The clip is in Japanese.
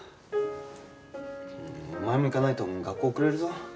お前も行かないと学校遅れるぞ。